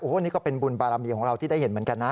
นี่ก็เป็นบุญบารมีของเราที่ได้เห็นเหมือนกันนะ